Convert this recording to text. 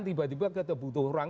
tiba tiba kita butuh orang